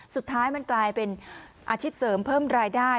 สุดท้ายมันกลายเป็นอาชีพเสริมเพิ่มรายได้